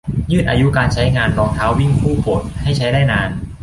ยืดอายุการใช้งานรองเท้าวิ่งคู่โปรดให้ใช้ได้นาน